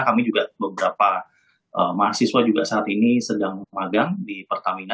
kami juga beberapa mahasiswa juga saat ini sedang magang di pertamina